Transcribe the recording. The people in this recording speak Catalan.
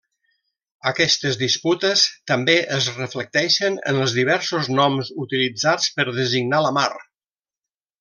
Aquestes disputes també es reflecteixen en els diversos noms utilitzats per designar la mar.